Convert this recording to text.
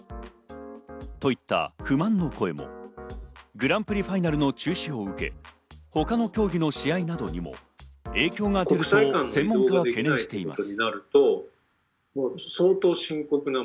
グランプリファイナルの中止を受け、他の競技の試合などにも影響が出ると専門家は懸念しています。